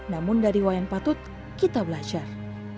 namun dari wayan patut kita belajar